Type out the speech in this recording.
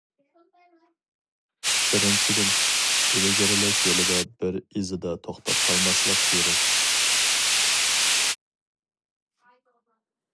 بىرىنچىدىن، ئىلگىرىلەش يولىدا بىر ئىزىدا توختاپ قالماسلىق كېرەك.